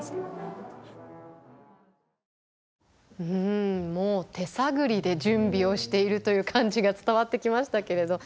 うんもう手探りで準備をしているという感じが伝わってきましたけれど。